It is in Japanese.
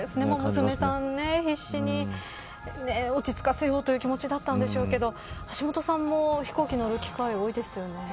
娘さんを必死に落ち着かせようと必死だったんでしょうけど橋下さんも飛行機に乗る機会多いですよね。